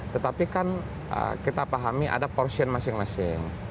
tetapi kan kita pahami ada portion masing masing